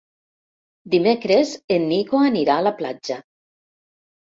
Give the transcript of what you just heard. Dimecres en Nico anirà a la platja.